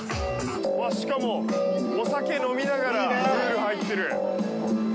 しかも、お酒飲みながらプール入ってる。